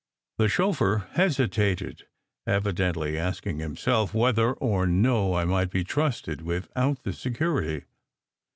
The chauffeur hesitated, evidently asking himself whether or no I might be trusted without the security.